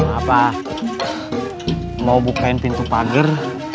apa mau bukain pintu pagar